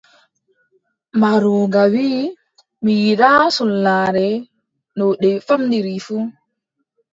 Mbarooga wii: mi yiɗaa sollaare no nde famɗiri fuu!».